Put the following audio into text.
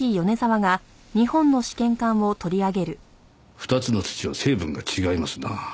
２つの土は成分が違いますな。